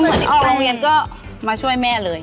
ก็เหมือนออกโรงเรียนก็มาช่วยแม่เลย